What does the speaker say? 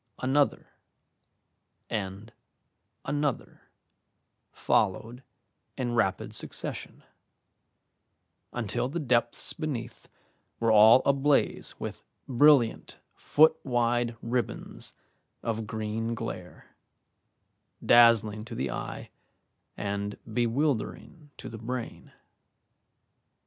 Another and another followed in rapid succession, until the depths beneath were all ablaze with brilliant foot wide ribbons of green glare, dazzling to the eye and bewildering to the brain.